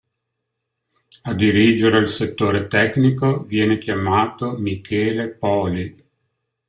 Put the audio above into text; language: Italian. A dirigere il settore tecnico viene chiamato Michele Poli.